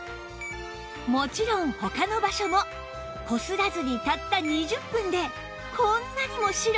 もちろん他の場所もこすらずにたった２０分でこんなにも白くきれいに！